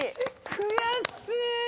悔しい！